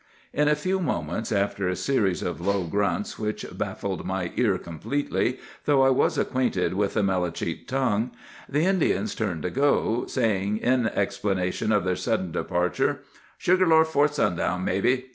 "In a few moments, after a series of low grunts, which baffled my ear completely, though I was acquainted with the Melicete tongue, the Indians turned to go, saying in explanation of their sudden departure, 'Sugar Loaf 'fore sundown, mebbe.